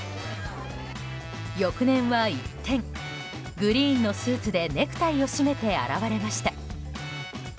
翌年は一転、グリーンのスーツでネクタイを締めて現れました。